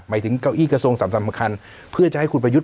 ถึงเก้าอี้กระทรวงสำคัญเพื่อจะให้คุณประยุทธ์